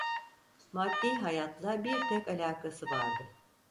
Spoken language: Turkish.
Maddi hayatla bir tek alakası vardı: